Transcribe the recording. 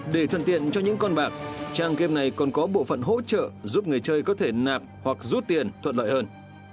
để thuận tiện cho những con bạc trang game này còn có bộ phận hỗ trợ giúp người chơi có thể nạp hoặc rút tiền thuận lợi hơn